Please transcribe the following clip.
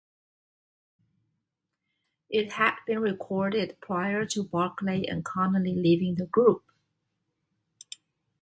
It had been recorded prior to Barclay and Connolly leaving the group.